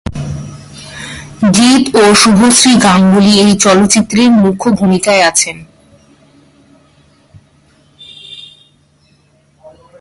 জিৎ ও শুভশ্রী গাঙ্গুলী এই চলচ্চিত্রের মুখ্য ভূমিকায় আছেন।